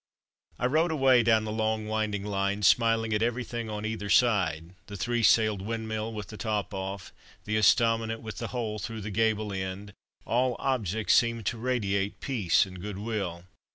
I rode away down the long winding line, smiling at everything on either side the three sailed windmill with the top off; the estaminet with the hole through the gable end all objects seemed to radiate peace and goodwill.